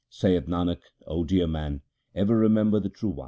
Saith Nanak, O dear man, ever remember the True One.